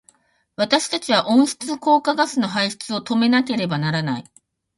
私たちは温室効果ガスの排出を止めなければならない。